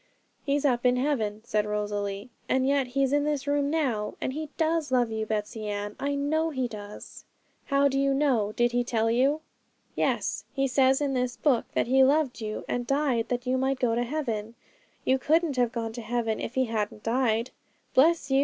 'He's up in heaven,' said Rosalie, 'and yet He's in this room now, and He does love you, Betsey Ann; I know He does.' 'How do you know? did He tell you?' 'Yes; He says in this book that He loved you, and died that you might go to heaven; you couldn't have gone to heaven if He hadn't died.' 'Bless you!